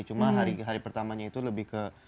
cuma hari pertamanya itu lebih ke